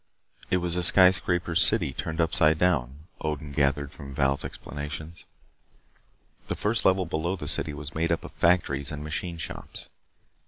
It was a skyscraper city turned upside down, Odin gathered from Val's explanations. The first level below the city was made up of factories and machine shops.